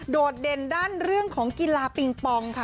เด่นด้านเรื่องของกีฬาปิงปองค่ะ